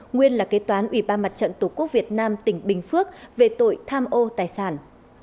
nguyên là kế toán ủy ban mặt trận tổ quốc việt nam tỉnh bình phước về tội tham ô tài sản